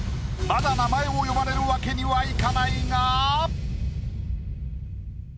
まだ名前を呼ばれるわけにはいかないが。